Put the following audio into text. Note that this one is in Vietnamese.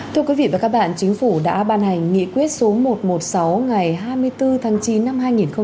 thưa quý vị và các bạn chính phủ đã ban hành nghị quyết số một trăm một mươi sáu ngày hai mươi bốn tháng chín năm hai nghìn một mươi chín